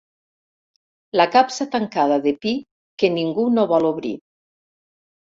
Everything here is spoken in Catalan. La capsa tancada de pi que ningú no vol obrir.